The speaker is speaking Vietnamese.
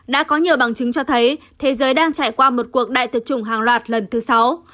đã có nhiều bằng chứng cho thấy thế giới đang trải qua một cuộc đại tuyệt chủng hàng loạt lần thứ sáu